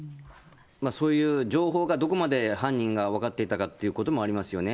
そういう情報がどこまで犯人が分かっていたかということもありますよね。